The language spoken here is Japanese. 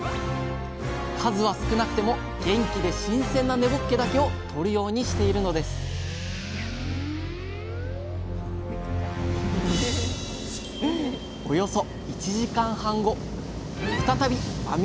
数は少なくても元気で新鮮な根ぼっけだけをとるようにしているのですおよそ１時間半後再び網を入れた場所へ向かいます